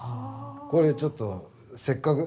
これちょっとせっかく。